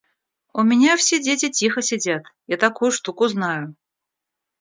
У меня все дети тихо сидят, я такую штуку знаю.